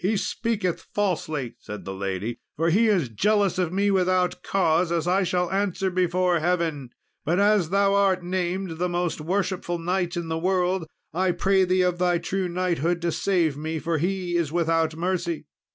"He speaketh falsely," said the lady, "for he is jealous of me without cause, as I shall answer before Heaven; but as thou art named the most worshipful knight in the world, I pray thee of thy true knighthood to save me, for he is without mercy."